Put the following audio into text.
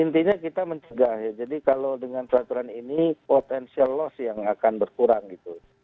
intinya kita mencegah ya jadi kalau dengan peraturan ini potensial loss yang akan berkurang gitu